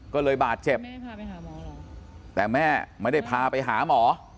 ก็เลยบาดเจ็บแต่แม่ไม่ได้พาไปหาหมอ